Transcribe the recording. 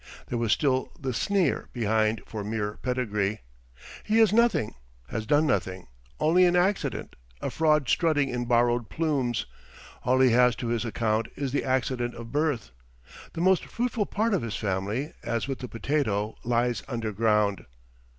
There was still the sneer behind for mere pedigree "he is nothing, has done nothing, only an accident, a fraud strutting in borrowed plumes; all he has to his account is the accident of birth; the most fruitful part of his family, as with the potato, lies underground."